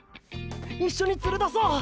一緒に連れだそう！